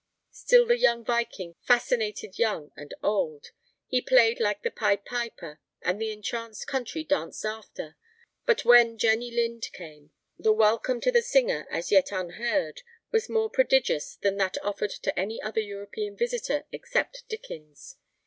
Still the young Viking fascinated young and old. He played like the Pied Piper, and the entranced country danced after. But when Jenny Lind came, the welcome to the singer as yet unheard was more prodigious than that offered to any other European visitor except Dickens.